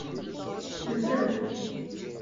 Sensen-t.